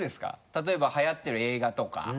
例えばはやってる映画とか？